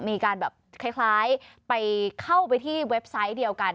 มีการแบบคล้ายไปเข้าไปที่เว็บไซต์เดียวกัน